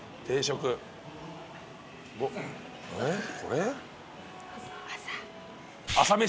えっこれ？